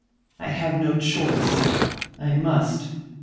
I have no choice. I must."